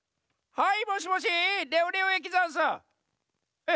はい。